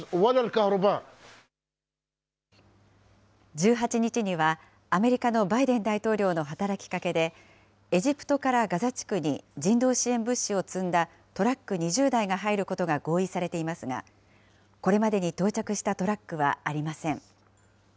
１８日にはアメリカのバイデン大統領の働きかけで、エジプトからガザ地区に人道支援物資を積んだトラック２０台が入ることが合意されていますが、これまでに到着したトラックはありません。